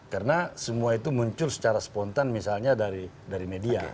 karena semua itu muncul secara spontan misalnya dari media